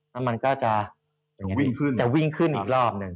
น้ำมันก็จะวิ่งขึ้นอีกรอบหนึ่ง